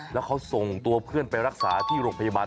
แล้วเขาส่งตัวเพื่อนไปรักษาที่โรงพยาบาล